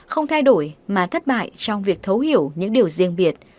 không thay đổi mà thất bại trong việc thấu hiểu những điều riêng biệt